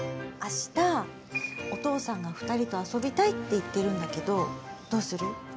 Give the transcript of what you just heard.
あした、お父さんが２人と遊びたいって言ってるんだけどどうする？